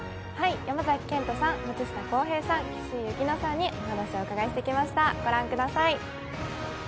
山崎賢人さん、松下洸平さん、岸井ゆきのさんにお話をお伺いしてきました。